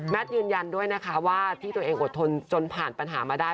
ยืนยันด้วยนะคะว่าที่ตัวเองอดทนจนผ่านปัญหามาได้